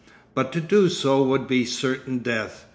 But to do so would be certain death.